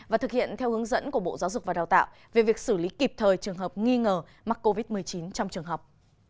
và thực hiện theo hướng dẫn của bộ giáo dục và đào tạo về việc xử lý kịp thời trường hợp nghi ngờ mắc covid một mươi chín trong trường học